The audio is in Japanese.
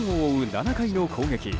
７回の攻撃。